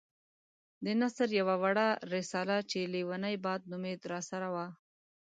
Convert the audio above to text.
د نثر يوه وړه رساله چې ليونی باد نومېده راسره وه.